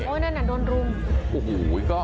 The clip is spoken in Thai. โอ๊ยนะแหม่โดนรุม